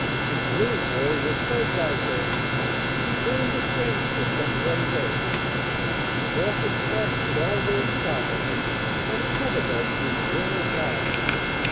Fitz Willieboy was so blase, He burned a Transcript up one day! The Orchids fashioned all their style On Flubadub's infernal guile.